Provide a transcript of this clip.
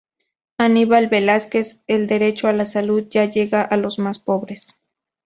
Anibal Velásquez: "El derecho a la salud ya llega a los más pobres".